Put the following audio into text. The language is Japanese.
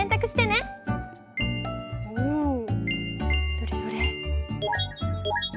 どれどれ？